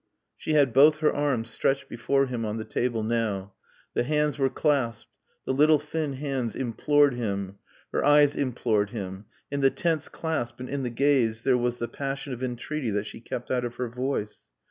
She had both her arms stretched before him on the table now. The hands were clasped. The little thin hands implored him. Her eyes implored him. In the tense clasp and in the gaze there was the passion of entreaty that she kept out of her voice.